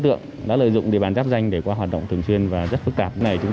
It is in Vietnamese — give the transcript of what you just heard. tượng đã lợi dụng địa bàn giáp danh để có hoạt động thường xuyên và rất phức tạp này chúng